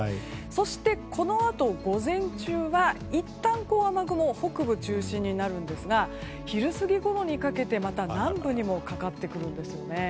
そして、このあと午前中はいったん雨雲は北部中心になるんですが昼過ぎごろにかけて、また南部にもかかってくるんですね。